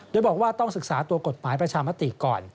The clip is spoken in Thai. โดยบอกว่าต้องศึกษาตัวกฎหมายประชามติก่อน